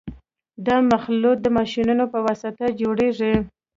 دا مخلوط د ماشینونو په واسطه جوړیږي